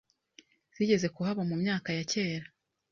Zigeze kuhaba mumyaka ya cyera